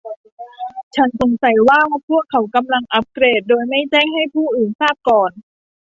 ฉันสงสัยว่าพวกเขากำลังอัปเกรดโดยไม่แจ้งให้ผู้อื่นทราบก่อน